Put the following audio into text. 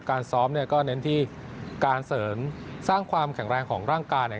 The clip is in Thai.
การซ้อมเน้นที่การเสรินสร้างความแข็งแรงของร่างการ